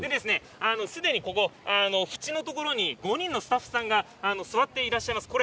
すでに縁のところに５人スタッフさんが座っていらっしゃいます。